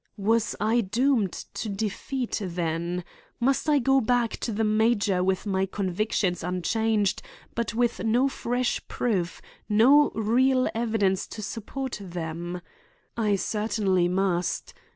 Was I doomed to defeat, then? Must I go back to the major with my convictions unchanged but with no fresh proof, no real evidence to support them? I certainly must.